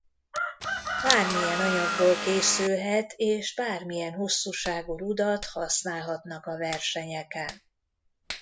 Bármilyen anyagból készülhet és bármilyen hosszúságú rudat használhatnak a versenyeken.